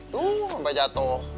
tuh sampe jatuh